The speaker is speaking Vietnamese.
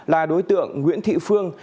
là đối tượng nguyễn thị phương